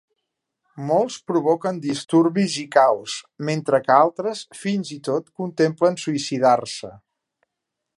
Molts provoquen disturbis i caos, mentre que altres fins i tot contemplen suïcidar-se.